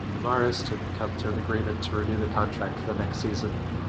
Guimaraes didn't come to an agreement to renew the contract for the next season.